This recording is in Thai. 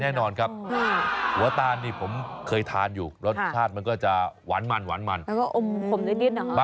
อุ๊ยน่าทานจริงนะครับ